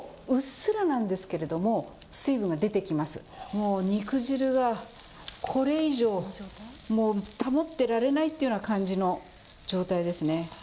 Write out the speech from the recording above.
もう肉汁が、これ以上もう保ってられないっていうような感じの状態ですね。